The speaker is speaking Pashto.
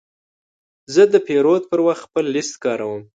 زه د پیرود پر وخت خپل لیست کاروم.